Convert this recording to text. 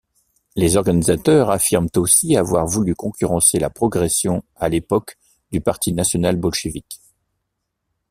Les organisateurs affirment aussi avoir voulu concurrencer la progression à l'époque du Parti national-bolchevique.